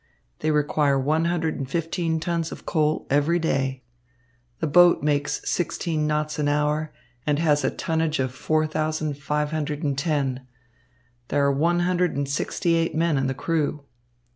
They require one hundred and fifteen tons of coal every day. The boat makes sixteen knots an hour, and has a tonnage of 4510. There are one hundred and sixty eight men in the crew."